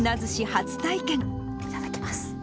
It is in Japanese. いただきます。